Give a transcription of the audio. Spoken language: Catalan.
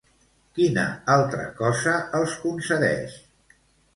Quina altra cosa els concedeix?